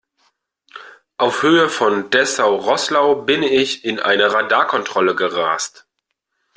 Auf Höhe von Dessau-Roßlau bin ich in eine Radarkontrolle gerast.